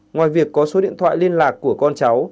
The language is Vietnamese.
ngoài việc có số điện thoại liên lạc của con cháu